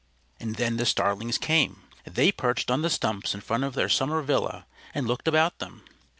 And then the Starlings came. They perched on the stumps in front of their summer villa, and looked about them.